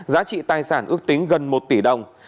giá trị tài sản ước tính gần một tỷ đồng